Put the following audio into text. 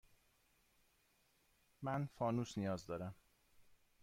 من فانوس نیاز دارم.